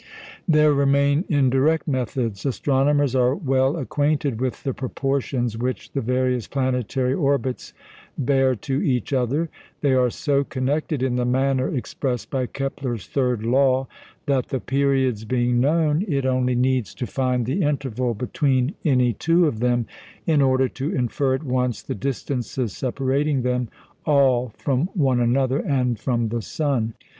There remain indirect methods. Astronomers are well acquainted with the proportions which the various planetary orbits bear to each other. They are so connected, in the manner expressed by Kepler's Third Law, that the periods being known, it only needs to find the interval between any two of them in order to infer at once the distances separating them all from one another and from the sun.